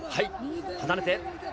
離れて。